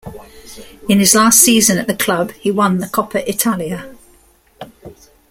In his last season at the club, he won the Coppa Italia.